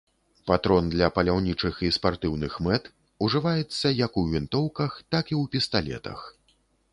Патрон для паляўнічых і спартыўных мэт, ужываецца як у вінтоўках, так і ў пісталетах.